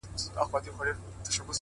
اخلاص د اړیکو بنسټ نه لړزوي،